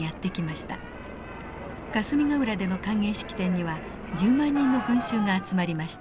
霞ヶ浦での歓迎式典には１０万人の群衆が集まりました。